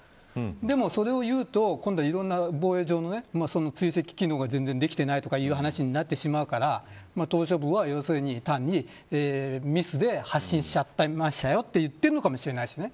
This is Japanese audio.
でもそれを言うと今度はいろんな防衛上の追跡機能が全然できていないという話になってしまうから島しょ部は単にミスで発信しちゃいましたよと言っているのかもしれないしね。